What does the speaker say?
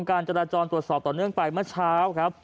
การจราจรตรวจสอบต่อเนื่องไปมาเช้า